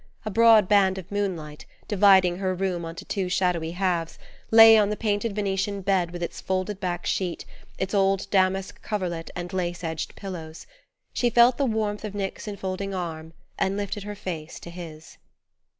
A broad band of moonlight, dividing her room onto two shadowy halves, lay on the painted Venetian bed with its folded back sheet, its old damask coverlet and lace edged pillows. She felt the warmth of Nick's enfolding arm and lifted her face to his.